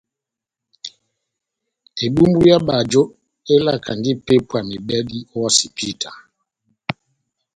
Ebumbu yá bajo elakandi ipépwa mebɛdi o hosipita.